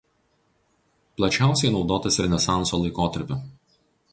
Plačiausiai naudotas Renesanso laikotarpiu.